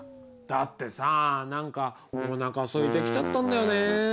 だってさ何かおなかすいてきちゃったんだよね。